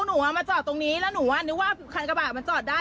หนูเอามาจอดตรงนี้แล้วหนูว่านึกว่าคันกระบะมันจอดได้